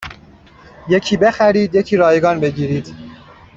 یکی بخرید یکی رایگان بگیرید